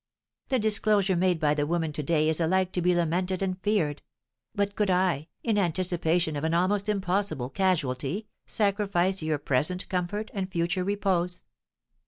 The disclosure made by the woman to day is alike to be lamented and feared; but could I, in anticipation of an almost impossible casualty, sacrifice your present comfort and future repose?"